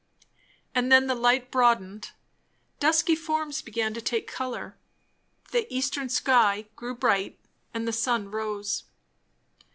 And then the light broadened; dusky forms began to take colour; the eastern sky grew bright, and the sun rose.